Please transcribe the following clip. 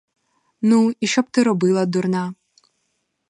Ну, і щоб ти робила, дурна?